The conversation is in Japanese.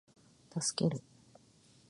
助ける